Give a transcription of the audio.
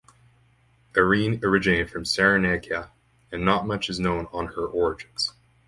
Eirene originated from Cyrenaica and not much is known on her origins.